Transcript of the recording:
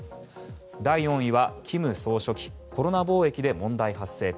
第４位は、金総書記コロナ防疫で問題発生か。